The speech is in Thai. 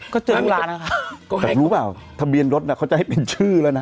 ก็เจอทั้งร้านนะคะอยากรู้เปล่าทะเบียนรถน่ะเขาจะให้เป็นชื่อแล้วนะ